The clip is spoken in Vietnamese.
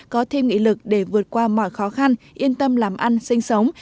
có thêm nghị lực để vượt qua mọi khó khăn yên tâm làm ăn sinh sống